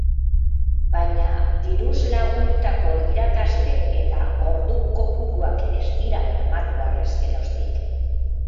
Baina diruz lagundutako irakasle eta ordu kopuruak ez dira bermatu harrezgeroztik.